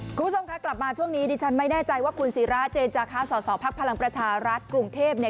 คุณผู้ชมคะกลับมาช่วงนี้ดิฉันไม่แน่ใจว่าคุณศิราเจนจาคะสอสอพักพลังประชารัฐกรุงเทพเนี่ย